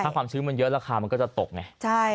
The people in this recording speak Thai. ค่วามชื้นมันเพลงเยอะน้อยมันก็จะตกไง